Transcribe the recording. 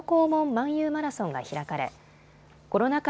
漫遊マラソンが開かれコロナ禍